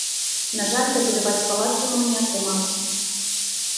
На жаль, дабудаваць палац яму не атрымалася.